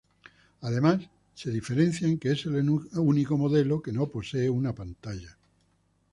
Además, se diferencia en que es el único modelo que no posee una pantalla.